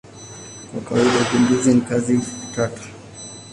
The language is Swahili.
Kwa kawaida ugunduzi ni kazi tata.